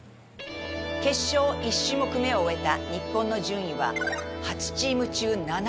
決勝１種目目を終えた日本の順位は８チーム中７位。